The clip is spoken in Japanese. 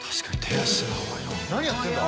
何やってんだ？